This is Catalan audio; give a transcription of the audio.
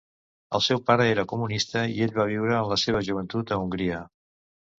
El seu pare era comunista i ell va viure en la seva joventut a Hongria.